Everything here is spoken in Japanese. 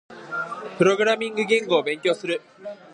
プログラミング言語を勉強する。